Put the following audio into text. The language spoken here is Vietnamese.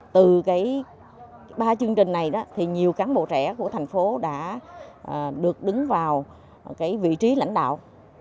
từ ba chương trình này thì nhiều cán bộ trẻ của thành phố đã được đứng vào vị trí lãnh đạo